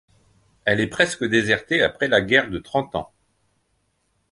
Elle est presque désertée après la Guerre de Trente Ans.